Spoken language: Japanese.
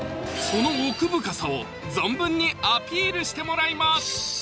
その奥深さを存分にアピールしてもらいます